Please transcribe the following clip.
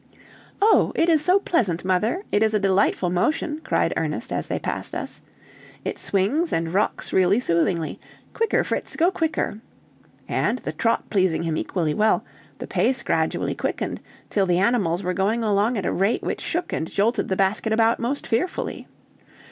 "Oh, it is so pleasant, mother, it is a delightful motion," cried Ernest, as they passed us; "it swings and rocks really soothingly. Quicker, Fritz! go quicker!" and the trot pleasing him equally well, the pace gradually quickened, till the animals were going along at a rate which shook and jolted the basket about most fearfully.